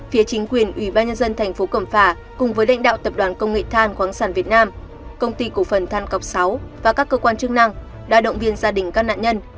phía chính quyền ủy ban nhân dân thành phố cẩm phả cùng với lãnh đạo tập đoàn công nghệ than khoáng sản việt nam công ty cổ phần than cọc sáu và các cơ quan chức năng đã động viên gia đình các nạn nhân